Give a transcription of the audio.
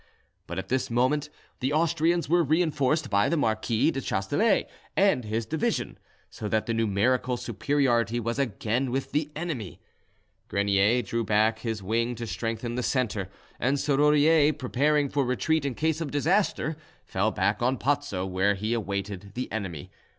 But at this moment the Austrians were reinforced by the Marquis de Chasteler and his division, so that the numerical superiority was again with the enemy. Grenier drew back his wing to strengthen the centre, and Serrurier, preparing for retreat in case of disaster, fell back on Pozzo, where he awaited the enemy.